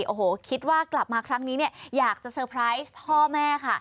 โอ้โหคิดว่ากลับมาครั้งนี้เนี่ยอยากจะเตอร์ไพรส์พ่อแม่ค่ะ